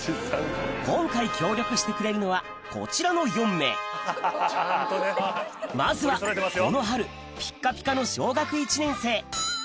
今回協力してくれるのはこちらの４名まずはこの春ピッカピカの小学１年生